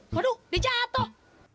waduh dia jatoh